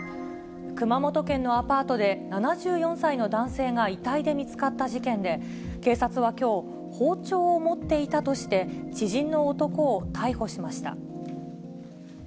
熊本県のアパートで、７４歳の男性が遺体で見つかった事件で、警察はきょう、包丁を持っていたとして、知人の男を逮捕しました。